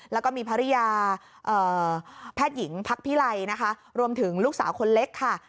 แล้วก็มีภรรยาแพทย์หญิงพักพิไลนะคะรวมถึงลูกสาวคนเล็กค่ะ